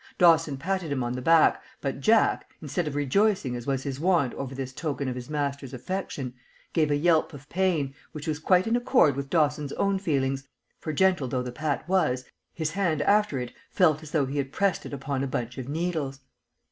Dawson patted him on the back, but Jack, instead of rejoicing as was his wont over this token of his master's affection, gave a yelp of pain, which was quite in accord with Dawson's own feelings, for gentle though the pat was, his hand after it felt as though he had pressed it upon a bunch of needles.